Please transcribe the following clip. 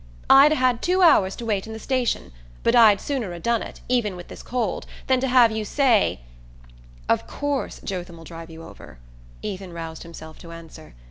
I'd 'a' had two hours to wait in the station, but I'd sooner 'a' done it, even with this cold, than to have you say " "Of course Jotham'll drive you over," Ethan roused himself to answer.